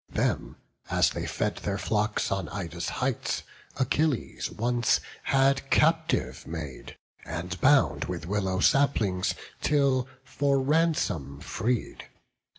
Them, as they fed their flocks on Ida's heights, Achilles once had captive made, and bound With willow saplings, till for ransom freed.